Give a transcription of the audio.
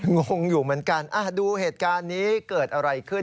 งงอยู่เหมือนกันดูเหตุการณ์นี้เกิดอะไรขึ้น